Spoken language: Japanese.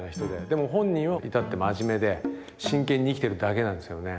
でも本人は至って真面目で真剣に生きてるだけなんですよね。